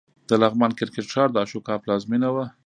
د لغمان کرکټ ښار د اشوکا پلازمېنه وه